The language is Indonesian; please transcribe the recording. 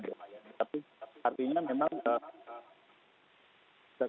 tapi artinya memang